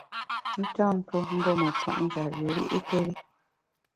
I tâ tuo mbù me kwet njap bi ri’kéri.